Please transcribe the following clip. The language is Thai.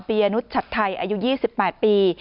ยนุชชัดไทยอายุ๒๘ปี